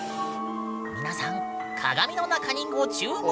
皆さん鏡の中にご注目！